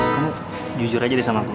aku jujur aja deh sama aku